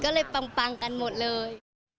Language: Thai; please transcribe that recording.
ก็เลยปังกันหมดเลย